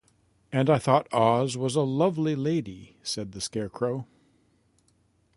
"And I thought Oz was a lovely Lady," said the Scarecrow.